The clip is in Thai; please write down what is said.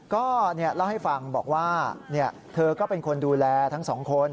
ก็เล่าให้ฟังบอกว่าเธอก็เป็นคนดูแลทั้งสองคน